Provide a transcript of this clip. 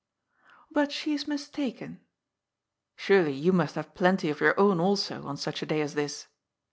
^But she is mistaken." Surely you must have plenty of your own also, on such a day as this."